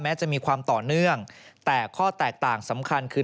จะมีความต่อเนื่องแต่ข้อแตกต่างสำคัญคือ